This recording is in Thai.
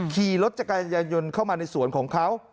ขี่รถจักรยายนต์เข้ามาในสวนของเขา